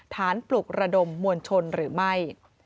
ปลุกระดมมวลชนหรือไม่